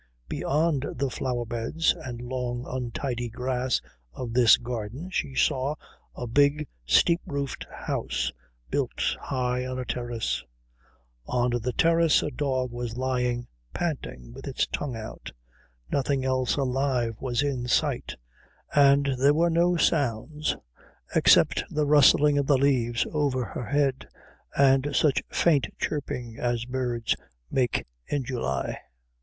Beyond the flower beds and long untidy grass of this garden she saw a big steep roofed house built high on a terrace. On the terrace a dog was lying panting, with its tongue out. Nothing else alive was in sight, and there were no sounds except the rustling of the leaves over her head and such faint chirping as birds make in July.